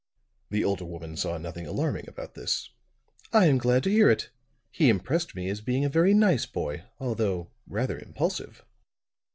The older woman saw nothing alarming about this. "I am glad to hear it. He impressed me as being a very nice boy, although rather impulsive."